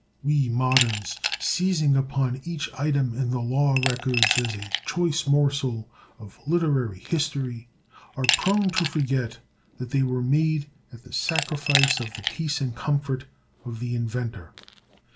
We moderns, seizing upon each item in the law records as a choice morsel of literary history, are prone to forget that they were made at the sacrifice of the peace and comfort of the inventor.